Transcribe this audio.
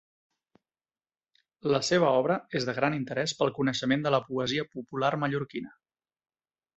La seva obra és de gran interès pel coneixement de la poesia popular mallorquina.